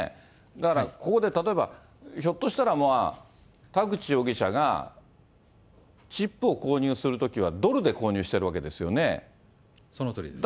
だから、ここで例えば、ひょっとしたら、田口容疑者がチップを購入するときはドルで購入しているわけですそのとおりです。